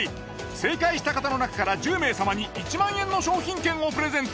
正解した方の中から１０名様に１万円の商品券をプレゼント。